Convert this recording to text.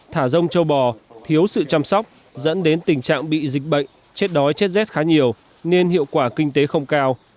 thả rông châu bò thiếu sự chăm sóc dẫn đến tình trạng bị dịch bệnh chết đói chết rét khá nhiều nên hiệu quả kinh tế không cao